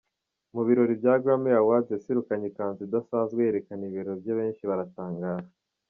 Mu birori bya Grammy Awards yaserukanye ikanzu idasanzwe yerekana ibibero bye benshi baratangara.